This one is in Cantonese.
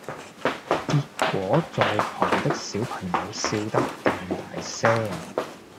結果在旁的小朋友笑得更大聲！